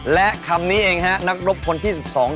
และคำนี้เองฮะนักรบคนที่สิบสอง